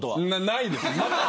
ないです。